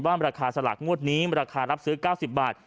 ราคาสลากงวดนี้ราคารับซื้อ๙๐บาท